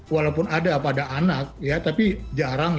walaupun ada pada anak ya tapi jarang